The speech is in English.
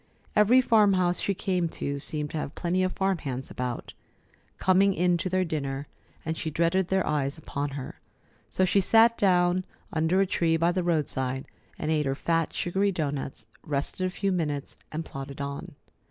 Every farm house she came to seemed to have plenty of farmhands about, coming in to their dinner, and she dreaded their eyes upon her. So she sat down under a tree by the roadside and ate her fat, sugary doughnuts, rested a few minutes, and plodded on.